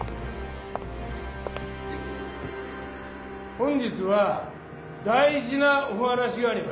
「本日は大じなお話があります。